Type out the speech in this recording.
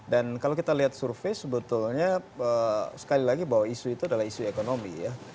dan kalau kita lihat survei sebetulnya sekali lagi bahwa isu itu adalah isu ekonomi ya